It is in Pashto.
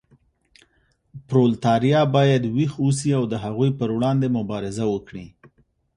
پرولتاریا باید ویښ اوسي او د هغوی پر وړاندې مبارزه وکړي.